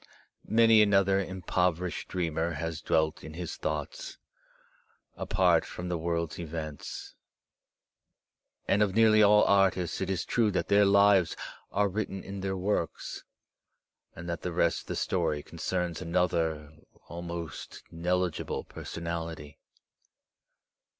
Many another impoverished dreamer has dwelt in his thoughts, apart from the world's events. And of nearly all artists it is true that their lives are written in their works, and that the rest of the story concerns another almost negligible personality.